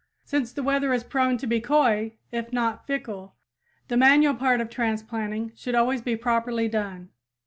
Since the weather is prone to be coy, if not fickle, the manual part of transplanting should always be properly done.